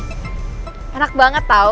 enak banget tau